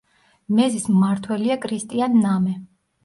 მეზის მმართველია კრისტიან ნამე.